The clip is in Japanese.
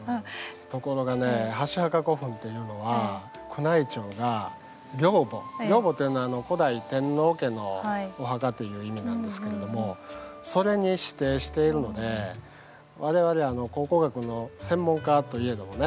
ところがね箸墓古墳っていうのは宮内庁が陵墓陵墓っていうのは古来天皇家のお墓という意味なんですけれどもそれに指定しているので我々考古学の専門家といえどもね